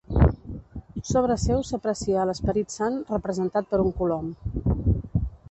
Sobre seu s'aprecia a l'Esperit Sant representat per un colom.